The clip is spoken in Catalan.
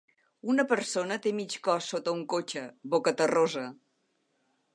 Una persona té mig cos sota un cotxe, bocaterrosa.